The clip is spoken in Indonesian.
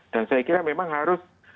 dan saya kira memang harus